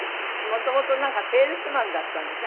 元々なんかセールスマンだったんでしょ？